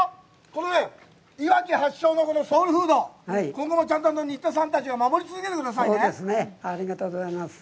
このいわき発祥のソウルフード、新田さんたちが守り続けてくださいね。